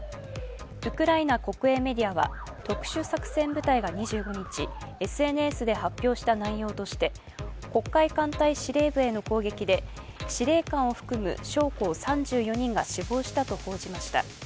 ウクライナ国営メディアは、特殊作戦部隊が２２日、ＳＮＳで発表した内容として黒海艦隊司令部への攻撃で、司令官を含む将校３４人が死亡したと報じました。